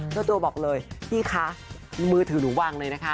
เจ้าตัวบอกเลยพี่คะมือถือหนูวางเลยนะคะ